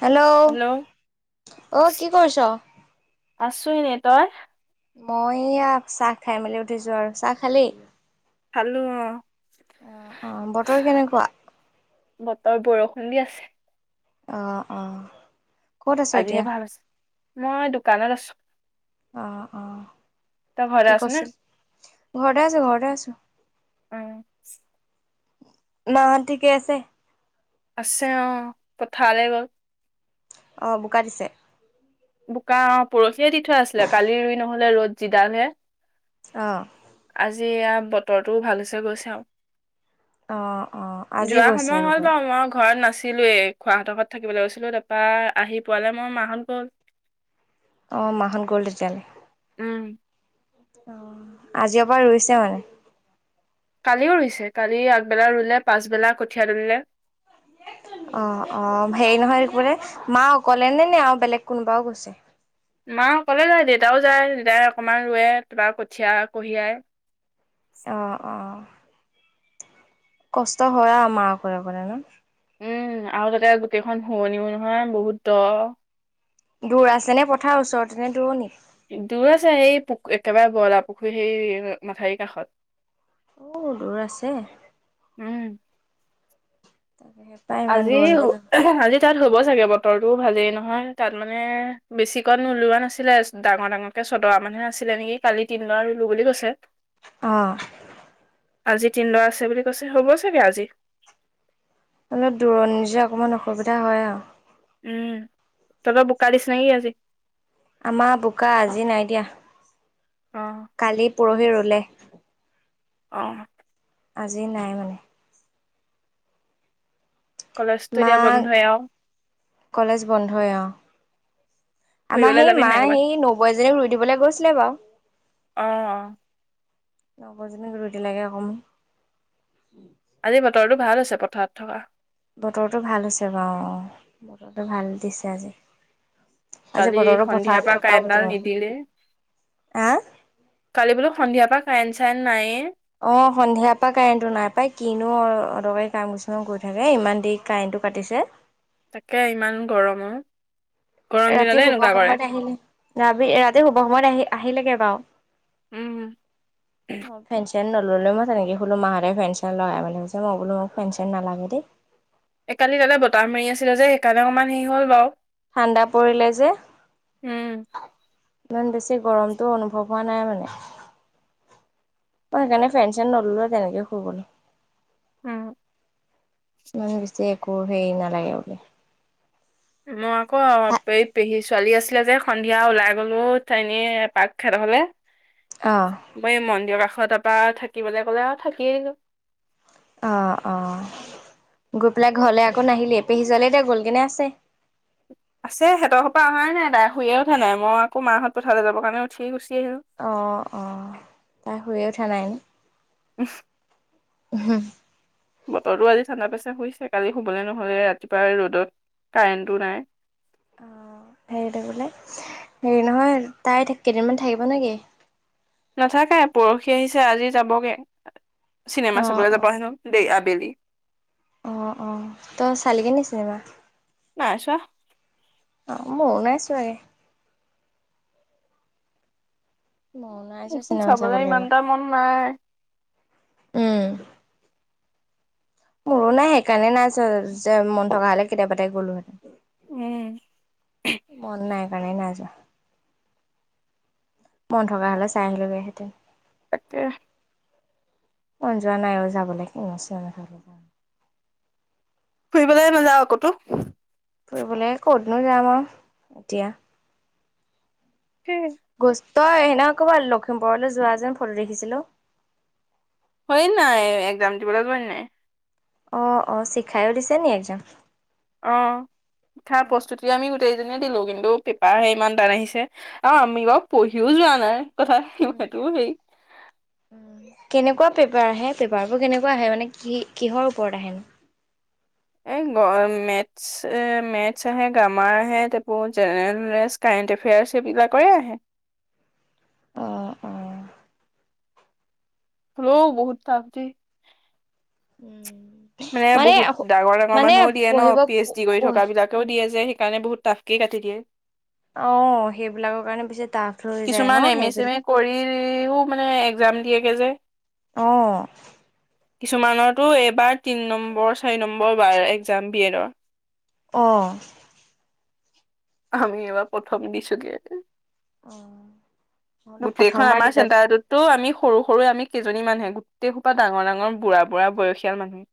Hello অ কি কৰিছ আছো এনে তই মই এয়া চাহ খাই মেলি উঠিছো আৰু চাহ খালি খালো অ অ অ বতৰ কেনেকুৱা বতৰ বৰষুণ দি আছে অ অ ক'ত আছ আজিহে এতিয়া? ভাল হৈছে মই দোকানত আছো অ অ তয় কি ঘৰতে আছনে কৈছিল? ঘৰতে আছো ঘৰতে আছো উম। ন ঠিকে আছে। আছে অহ পথাৰলে গ'ল। অহ বোকা দিছে। বোকা অ' পৰসিয়ে দি থোৱা আছিলে কালি ৰুই নহলে ৰ'দ যিডালহে। আহ। আজি এয়া বতৰটো ভাল হৈছে গৈছে অ অ আৰু। আজি যোৱা গৈছে সময় হ'ল ৰুবলে। বাৰু মই ঘৰত নাছি চিলোৱে খোৱাহতৰ ঘৰত থাকিবলৈ গৈছিলো তাপা আহি পোৱালে মই মাহত গ'ল। অঁ মাহত গ'ল তেতিয়া হ'লে। উম আজিৰ পৰা ৰুইছে মানে। কালিও ৰুইছে কালি আগবেলা ৰুলে পাছবেলা কঠীয়া তুলিলে। অহ অহ হেৰি নহয় একবোৰে মা অকলে নে নে আৰু বেলেগ কোনোবাও গৈছে? মা অকলে যায় দেউতাও যায় দেতাই অকমান ৰুৱে তাপা কঠিয়া কঢ়িয়াই। আহ আহ। কষ্ট হয় আৰু মাৰ অকলে অকলে ন। উম আৰু তাতে গোটেইখন শুৱনিও নহয় বহুত দ। দূৰ আছে নে পথাৰ ওচৰতেনে দূৰণি? দূৰ আছে এই পু একেবাৰে বইলা পুখুৰী সেই মাথাউৰি কাষত। অ দূৰ আছে। উম। তাকেহে পাই ইমান আজি দূৰণিলে যাব আজি তাত হ'ব চাগে ব তৰটোও ভালেই নহয় তাত মানে বেছিকত নোলোৱা নাছিলে ডাঙৰ ডাঙৰকে চতৰা মানহে আছি কালি তিনদৰা ৰুলো বুলি কৈছে। অহ। আজি তিনদৰা আছে বুলি কৈছে হ'ব চাগে আজি। অলপ দূৰনি যে অকণমান অসুবিধা হয় আৰু। উম তহঁতৰ বোকা দিছে নেকি আজি? আমাৰ বোকা আজি নাই দিয়া অ কালি পৰহি ৰ'দ লে অ', আজি নাই মানে। কলেজটো মা এতিয়া বন্ধই আৰু কলেজ বন্ধই অ', আমাৰ ফুৰিবলৈ সেই যাবি মা নাই ক'ৰবাত সেই নবৌ এজনিক ৰুই দিবলৈ গৈছিলে বাৰু। অ', অ', লগৰজনীক ৰুই দিলেগে অকণমান। আজি বতৰটো ভাল হৈছে পথাৰত থকা। বতৰটো ভাল হৈছে বাৰু অ', বতৰটো ভাল দিছে আজি। আজি কালি বতৰটো সন্ধিয়াৰ পথাৰত পৰা থকা কাঁৰেন্টডাল বতৰ। নিদিলে, হা? কালি বোলো সন্ধিয়াৰ পৰা কাৰেন্ট চাৰেন নায়ে। অ', সন্ধিয়াৰ পৰা কাৰেণ্টটো নাই পাই কিনো অ, অদৰকাৰি কাম কিছুমান কৰি থাকে ইমান দেৰি কাৰেণ্ট টো কাটিছে। তাকে ইমান গৰমো। ৰাতি শুব সময়ত আহিলে ৰাতি শুভ সময়ত আহি আহিলেগে বাৰু। উম [unintelligible] পেন নললেও মই তেনেকে শুলো মাহতে ফেনচেন লগাই মেলি শুইছে, মই বোলো ফেনচেন নালাগে দেই। এ কালি তাতে বতাহ মাৰি আছিলে যে সেইকাৰণে অকণমান হেৰি হল বাৰু। ঠাণ্ডা পৰিলে যে। উম ইমান বেছি গৰমটো অনুভৱ হোৱা নাই মানে। মই সেইকাৰণে ফেনচেন নললো তেনেকে শুই গলো। উম, মানে বেছি একো হেৰি নালাগে বোলে। মই আকৌ এই পেহী ছোৱালী আছিলে যে সন্ধিয়া ওলাই গলো এনে পাক খেত হলে। অ', মই এই মন্দিৰ কাষত, তাৰপৰা থাকিবলৈ ক'লে আৰু থাকিয়ে দিলো। অ', অ', গৈ পেলাই ঘৰলে আকৌ নাহিলিয়ে, পেহী ছোৱালী এতিয়া গলগে নে আছে? আছে সিহঁতৰ সোপা অহাই নাই তাই শুইয়ে উঠা নাই, মই আকৌ মাহঁত পথাৰলৈ যাবৰ কাৰণে উঠিয়ে গৈছো। অ', অ', তাই শুইয়ে উঠা নাই নে? উম, হুম, বতৰটো আজি ঠাণ্ডা পাইছে শুইছে কালি শুবলৈ নহলে ৰাতিপুৱাই ৰ'দত কাৰেণ্টো নাই। আ, হেৰিতে বোলে হেৰি নহয় তাই কেইদিনমান থাকিব নেকি? নাথাকে পৰহি আহিছে আজি যাবগে চিনেমা অ', চাবলৈ যাব অ', হেনো দে আবেলি। অ', অ', তই চালি গে নি চিনেমা? নাই চোৱা অ', মই উলাইছোৱে। মনাইছে এইখন চিনেমা চাবলৈ ইমান এইবাৰ এটা মন নাই উম, মোৰো নাই সেইকাৰণে নাই চ যে মন থকা হলে কেতিয়াবাতে গ'লো হেতেন। উম মন নাই কাৰণে নাই যোৱা। মন থকা হ'লে চাই আহিলগে হেঁতেন। তাকে মন যোৱা নাই আৰু যাবলৈ, কিনো চিনেমা চাব যাম। ফুৰিবলৈ নাযাওঁ কতো? ফুৰিবলৈ ক'তনো যাম আৰু এতিয়া। কি? গছ তই সেই দিনা ক'ৰবাত লখিমপুৰলৈ যোৱা যেন ফটো দেখিছিলো। হয় নাই এক্জাম েবুলত হয় নাই অ অ শিখাইো দিছে নি একজাম অিঠা অ', প্ৰস্তুতি আমি গোটেই দিলো কিন্তু পেপাৰহে ইমান টান আহিছে আৰু আমি বাৰু পঢ়িও যোৱা নাই কথা সেইটোও হেৰি কেনেকুৱা পেপাৰ আহে পেপাৰ বোৰ কেনেকুৱা আহে মানে কি কিহৰ ওপৰত আহেনো এই মে মে আহে গ্ৰামাৰ আহে ত জেনেৰেল নলেজ ক [inaudible] অঁ অঁ হ্ল' বহুত তাপতে উম মানে বহুত ডাঙৰ ডাঙৰ মানে মানুহও দিয়ে ন পঢ়িব পি এইচ ডি কৰি পঢ়ি থকা বিলাকেও দিয়ে যে স কাৰণে বহুত টফকে কাটি দিয়ে আহ সেইবিলাকৰ কাৰণে বেছি তাহফ হৈ যায় ন সেইবিলাক ও মানে এক্জাম দিয়েগে যে আহ কিছুমানতো এইবাৰ তিন নম্বৰ চাৰি নম্বৰ বাৰ এক্জাম বি এডৰ অ আমি এইবাৰ প্ৰথম দিছো গ অ', মইতো গোটেইখন প্ৰথমবাৰ আমাৰ দিলত চেটাৰটোতটো আমি সৰু সৰু আমি কজনী মানুহে গোটেই খোপা ডাঙৰাঙৰ বুঢ় বুঢ় বয়সীয়াল মানুহ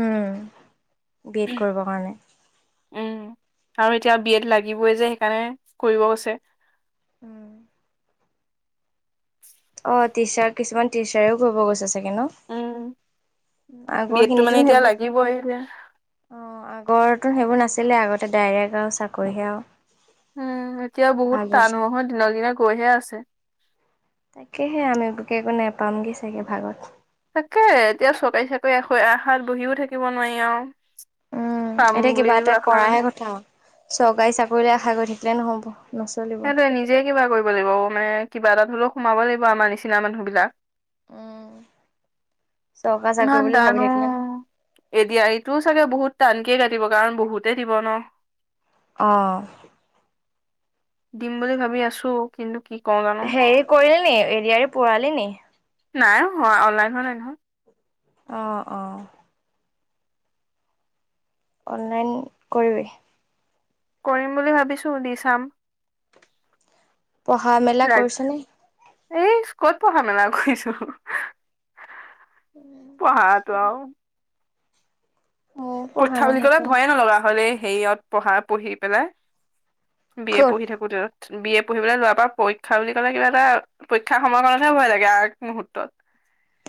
উম বি এড কৰিব কাৰণে উম আৰু এতিয়া বি এড লাগিবই যে সেইকাৰণে কৰিব গৈছে উম অ টিচাৰ কিছুমান টিচাৰেও কৰিব গৈছে আছে ন উম বি আগৰ এডটো খিনিতো মানে সেই এতিয়া বোৰ লাগিবই এতিয়া। অ আগন সেইবোৰ নাছিলে আগতে ডাইৰেক্ট আৰু চাকৰিহে আৰু উম এতিয়া বহুত ভাল হৈছে। টানোহ দিন দিনে গৈহে আছে তাকেহে আমি তোকে একো নোপামগে চাগে ভাগত তাকে এতিয়া চৰকাৰী চাকৰি আশাত বহিও থাকিব নোৱাৰি আৰু উম পাম এতিয়া কিবা বুলিও এটা আশা কৰাহে নাই। কথা চৰকাৰী চাকৰিলে আশা কৰি থাকিলে নহ'ব নচলিব সেইটোৱে নিজে কিবা কৰিব লাগিব মানে কিবা এটা হলেও সোমাব লাগিব আমাৰ নিচিনা মানুহ বিলাক আহ ইমান দানো এদয়া এইটো চাগে বহুত তাল কি কাটিব কাৰণ বহুতে দিব ন আহ দিম বুলি ভাবি আছো কিন্তু কি কওঁ জানো হেৰি কৰিল নি এৰিয়াৰে প়াল নি নাই হয় অনলাইন হোৱা নাই নহয় আহ আহ অনলাইন কৰিবি কৰিম বুলি ভাবিছো দি চাম পঢ়া মেলা লাগ- কৰিছ নে এই ক'ত পঢ়া মেলা কৰিছো প়ঢ়া টো আৰু ময়ো পৰী পঢ়া নাই বুলি ক'লে সেইকাৰণে ভয়ে নলা হ'লে হেৰিয়ত পঢ়া পঢ়ি পেলাই বি এ ক'ত পঢ়ি থাকো তে বি এ পঢ়িবলৈ লোৱাৰ পৰা পৰীক্ষা বুলি ক'লে কিবা এটা পৰীক্ষাৰ সময় কাৰণতহে ভয় লাগে আগ মুহুৰ্তত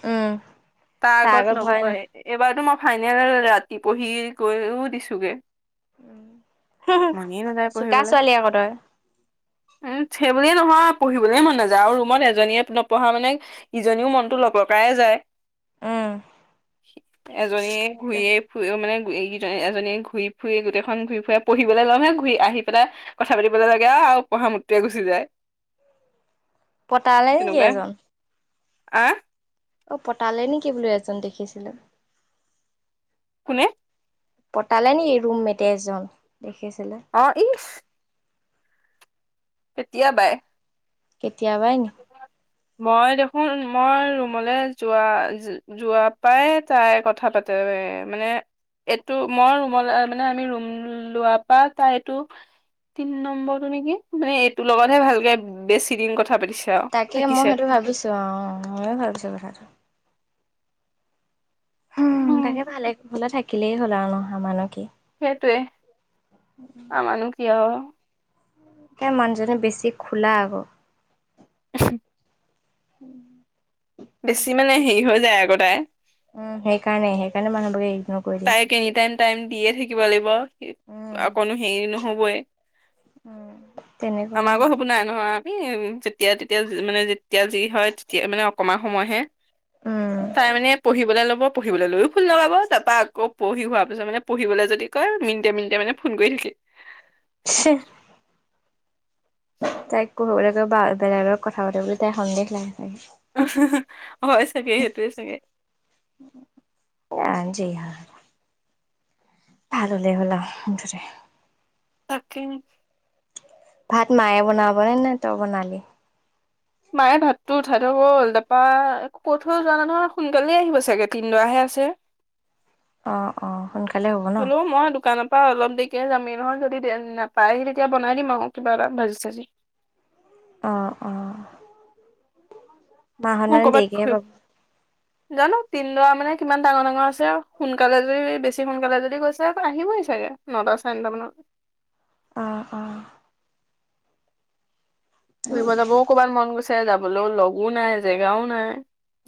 উম তাৰ আগত ন্ব এইবাৰতো মই ফাইনেল ৰাতি পঢ়ি গৈও দিছোোগে মানিয়েইে নাযায় চোকা পঢ়িবলৈ। ছোৱালী আকৌ তই উম সেই বুলিয়ে নহয় পঢ়িবুলিয়ে মন নাযায় আৰু ৰুমত এজনীয়ে নপঢ়া মানে ইজনও মনতটো লগ ককাই যায় উম এজনীয়ে সেইটো ঘূৰিয়ে ফুৰি মানে এই এজনী ঘূৰি ফুৰি গোটেইখন ঘূৰি ফুৰে পঢ়িবলৈ লম হে ঘূৰি আহি পেলাই কথা পাতিবলৈ লাগে পঢ়া মটে গুচি যায় পতালে নেকি তেনেকুৱাই এজন আহ অ পতালে নেকি বোলো এজন দেখিছিলো কোনে পটালে ন এই ৰৰুম মেটে একজন অ ইঈশ তেতিয়া বাই তিয়া হয়াই ন মই দেখোন মই ৰুমলৈ যোৱা যোৱা পাই তাই কথা পাতে মানে এইটো মই ৰুম মানে আমি ৰুম লোৱাৰ পৰা তাই এইটো তিন নম্বৰটো নেকি মানে এইটোৰ লগতহে ভালকে বেছি দিন কথা পাতিছিল তাকে মই সেইটো ভাবিছো আহ ময়ো ভাবিছো কথাটো উম তাকে ভালে হলে থাকিলেই হ'ল আৰু নহা মানহ কি সেইটোৱে আ মানুহ কি আৰু তাই মানুহজননে বেছি খোলা আকৌ উ উম উম মানে হেৰি হৈ যায় সেইকাৰণে আকৌ তাই সেইকাৰণে মানুহ বোৰে তাইক এনি টাইম টাইম দিয়ে থাকিব লাগিব উম অকনো হেৰি নহবই উম তেনেকুৱা আমাৰক সুখ নাই নহয় উ যেতিয়া তেতিয়া মানে যেতিয়া যি হয় তেতিয়া মানে অকমান সময়হে উম তাই মানে পঢ়িবলৈ ল'ব পঢ়িবলৈ লৈও ফুল নাপাব তাৰপা অ পঢ়ি হোৱাৰ পিছত মানে পঢ়িবলৈ যদি কয় মিনিটে মিনিটে মানে ফোন কৰি থাকি শ তাইক পঢ়িবলৈ কৈ বা বেলেগত কথা পাতি বুলি তাই সন্দেহ লাগে চাগে হয় চাগেই সেইটোৱে চাগে এ ভ হলে হলা মুঠতে তাকে ভাত মায়ে বনাবনে নে তই বনালি মায়ে ভাততটো উঠাই থৈ গ'ল তাৰপা কত হৈ যোৱা নাই নহয় সোনকালে আহিব চাগে তিনিদাহে আছে অ অ সোনকালে হ'ব ন অ অলপ দেৰিকে যামেই নহয় যদি নাপাই আহি তেতিয়া বনাই দিম আৰু কিবা এটা ভাজি চাজি [inaudible] ও ও মা অহা মোৰ নাই কৰ'বাত দেৰিকৈ আহিব ফু জানো তিনদৰা মানে কিমান ডাঙৰ ডাঙৰ আছে সোনকালে যদি বেছি সোনকালে যদি গৈছে আহিবই চাগে নটা চাৰে নটা মানত অঁ অঁ ফুৰিব যাবও ক'ৰবাত মন গৈছে যাবলৈও লগো নাই জেগাও নাই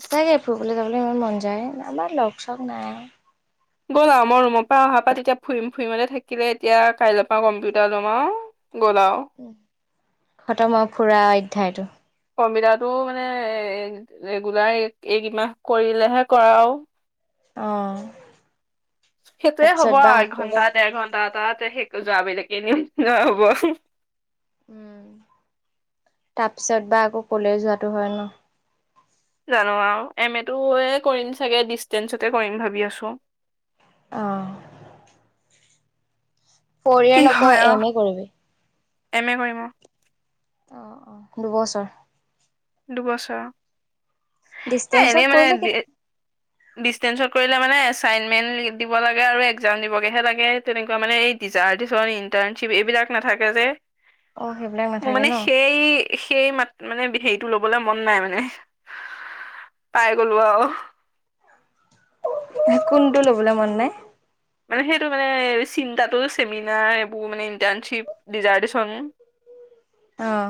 সঁচাকে ফুুৰবলৈ যাবলৈ ইমান মন যায় আমাৰ লগ চ নাই আৰু গ'ল আৰু মই ৰুমৰ পৰা অহাৰ পৰা তেতিয়া ফুৰিম ফুৰিমতে থাকিলে এতিয়া কাইলৈ পৰা কম্পিউটাৰ লম আৰু গলাও খট মৰ ফুৰা অধ্যায়টো কম্পটাৰটো মানে ৰেগুলাৰ এইকমাহ কৰিলেহে কৰা আৰু আহ সেইটোয়ে হ'ব আৰু এক ঘন্টা দেৰ ঘন্টা এটাত স যোৱা বেলেগ এনে ন হ'ব উম তাৰপিছত বা আকৌ কলে যোৱাটো হয় ন জানো আৰু এম এটোয়ে কৰিম চাগে ডিচষ্টেঞ্চতে কৰিম ভাবি আছো আহঁ ফৰ কি ইয়াৰ নকৰ হয় আৰু এম এ কৰিবি এম এ কৰিম আহ অ দুবছৰ দুবছৰ ডিষ্টেঞ্চত কৰিলে কে ডিচেঞ্চত কৰিলে মানে এচাইনমেণ্ট দিব লাগে আৰু একজাম দিবগেহে লাগে তেনেকুৱা মানে এই দিজাম ইন্তাৰশিপ এইবিলাক নাথাকে যে অঁ সেইবিলাক মোৰ নাথাকে মানে ন সেই সেই মাত মানে টো লবলৈ মন নাই মানে পাই গলো আৰু কোনটো লবলৈ মন নাই মানে সেইটো মানে চিন্তাটো চেমিনাৰ এইবোৰ মানে ইণ্টাৰ্ণশ্বিপৰিজাৰ্শ্যন [inaudible] আহ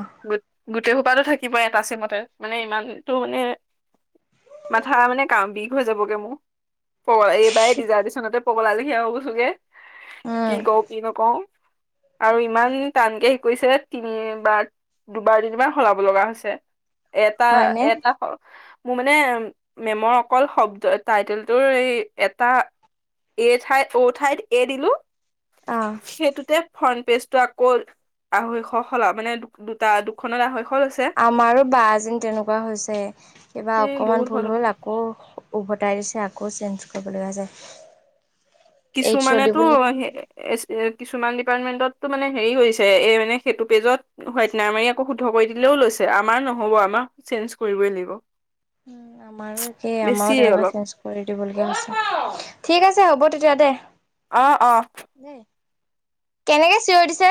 গোটেই সোপাতো থাকিবই এটা চিমতে মানে ইমানতটো মানে মাথা মানে ক বিষ হৈ যাবগে মোৰ এইবাৰ [unintelligible] দিচনতে [unintelligible] গুছোগে কি উম কও কি নকও আৰু ইমান টানকে শিকাইছে তিনিবাৰ দুবাৰ তিনিবাৰ সলাব লগা হৈছে এটা হয়নে এটা মোৰ মানে মেমৰ অকল শব্দ টাইটেলটোৰ এই এটা এ ঠাই অ ঠাইত এ দিলো অ সেইটোতে ফ্ৰন্ট পেজ আকৌ আঢ়ৈশ সল মানে দু দুটা দুখনত [inaudible] আমাৰো বা যেন তেনেকুৱা হৈছে কিবা এই অকমান বহুত ভাল ভুল হল আকৌ উভতাই দিছে আকৌ আকৌ চেঞ্জ কৰিবলগীয়া যায় কিছুমানেতো কিছুমান ডিপাৰ্টমেণ্টতটো মানেৰি কৰিছে এই মানে সেইটো পেজত হোৱাইট নাৰ মাৰি আকৌ শুদ্ধ কৰি দিলেও লৈছে আমাৰ নহ'ব আমাক চেঞ্জ কৰিবই লাগিব উম আমাৰো একেই আমাৰো বেছিয়ে তেনেকুৱা অলপ চেঞ্জ কৰি দিবলগীয়া হৈছে ঠিক আছে হ'ব তেতিয়া দে অঁ অ দেই কেনেকে চিইঞ দিছে